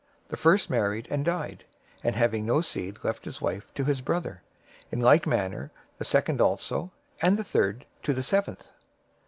The first married and died, and having no seed left his wife to his brother. 022:026 In like manner the second also, and the third, to the seventh.